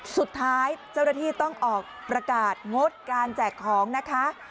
สุดท้ายเจ้าหน้าที่ต้องออกประกาศงดการแจกของนะคะ